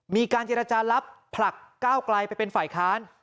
มีการเจรจารับผลักก้าวไกลไปเป็นฝ่ายค้าน